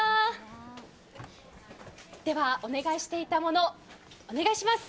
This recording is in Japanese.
では、お願いしていたもの、お願いします。